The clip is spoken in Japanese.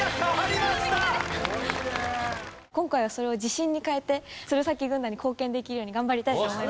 今回はそれを自信に変えて鶴崎軍団に貢献できるように頑張りたいと思います。